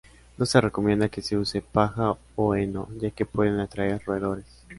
No se recomienda que se use paja o heno ya que pueden atraer roedores.